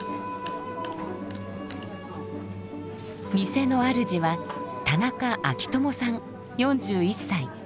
店の主は田中章友さん４１歳。